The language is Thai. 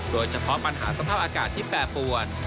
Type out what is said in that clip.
โดยเฉพาะปัญหาสภาพอากาศที่แปรปวน